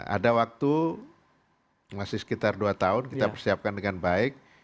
ada waktu masih sekitar dua tahun kita persiapkan dengan baik